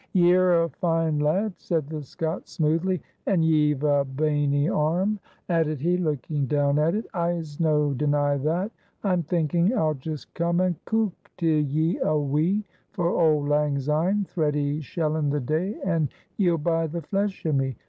"Ye're a fine lad," said the Scot, smoothly, "and ye've a boeny aerm," added he, looking down at it. "I'se no deny that. I'm thinking I'll just come and cuik till ye a wee for auld lang syne thretty schelln the day an' ye'll buy the flesh o' me.